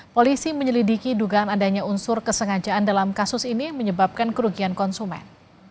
polisi menyelidiki dugaan adanya unsur kesengajaan dalam kasus ini menyebabkan kerugian konsumen